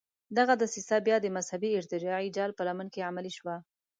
دغه دسیسه بیا د مذهبي ارتجاعي جال په لمن کې عملي شوه.